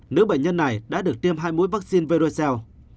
nữ bệnh nhân này đã được tiêm hai mũi vaccine vercel